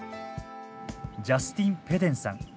ジャスティン・ぺデンさん。